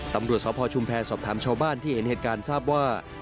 ตำรวจสพชุมแพรสอบถามชาวบ้านที่เห็นเหตุการณ์ทราบว่า